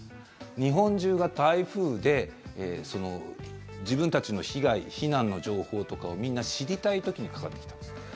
日本中が台風で自分たちの被害避難の情報とかをみんな知りたい時にかかってきたんです。